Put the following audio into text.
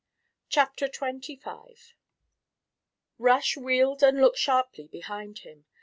CHAPTER XXV Rush wheeled and looked sharply behind him.